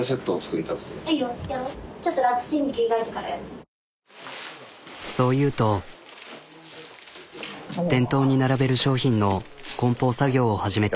ちょっとそう言うと店頭に並べる商品の梱包作業を始めた。